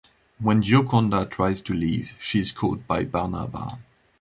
When Gioconda tries to leave, she is caught by Barnaba.